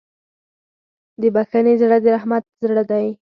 د بښنې زړه د رحمت زړه دی.